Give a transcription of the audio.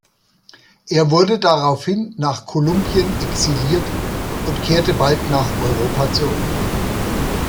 Er wurde daraufhin nach Kolumbien exiliert und kehrte bald nach Europa zurück.